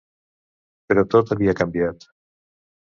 Però tot havia canviat.